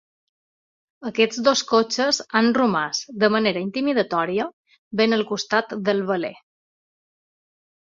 Aquests dos cotxes han romàs, de manera intimidatòria, ben al costat del veler.